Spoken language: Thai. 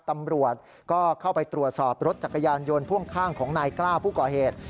ตำรวจก็เข้าไปตรวจสอบรถจักรยานยนต์พ่วงข้างของนายกล้าผู้ก่อเหตุ